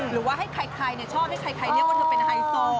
หรือว่าให้ใครชอบให้ใครเรียกว่าเธอเป็นไฮโซ